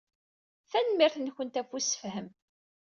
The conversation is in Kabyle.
Tanemmirt-nwent ɣef ussefhem.